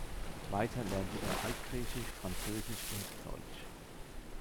Weiter lernte er Altgriechisch, Französisch und Deutsch.